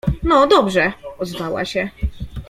— No, dobrze! — ozwała się.